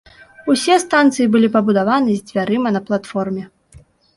Усе станцыі былі пабудаваны з дзвярыма на платформе.